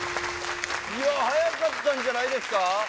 いや速かったんじゃないですか？